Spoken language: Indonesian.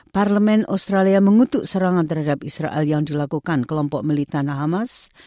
parlemen australia mengutuk serangan terhadap israel yang dilakukan kelompok militan hamas